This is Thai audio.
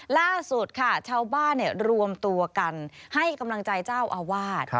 ล่าสุดค่ะชาวบ้านรวมตัวกันให้กำลังใจเจ้าอาวาส